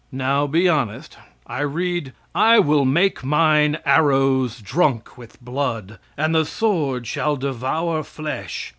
Now be honest, I read: "I will make mine arrows drunk with blood; and the sword shall devour flesh."